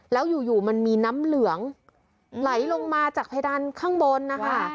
แล้วอยู่มันมีน้ำเหลืองไหลลงมาจากเพดานข้างบนนะคะ